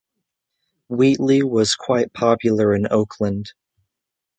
Wheatley was quite popular in Oakland.